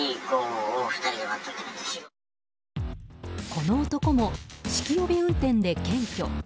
この男も酒気帯び運転で検挙。